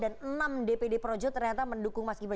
dan enam dpd projo ternyata mendukung mas gibral